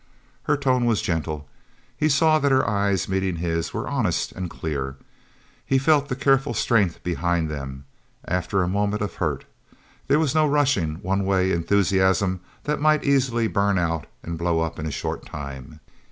Her tone was gentle. He saw that her eyes, meeting his, were honest and clear. He felt the careful strength behind them, after a moment of hurt. There was no rushing, one way enthusiasm that might easily burn out and blow up in a short time.